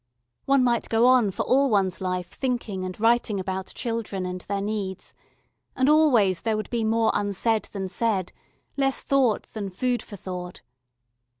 One might go on for all one's life thinking and writing about children and their needs, and always there would be more unsaid than said, less thought than food for thought.